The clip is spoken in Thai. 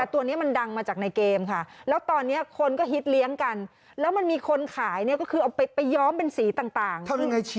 ตัวนี้มันดังมาจากในเกมค่ะแล้วตอนนี้คนก็ฮิตเลี้ยงกันแล้วมันมีคนขายเนี่ยก็คือเอาไปย้อมเป็นสีต่าง